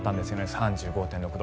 ３５．６度。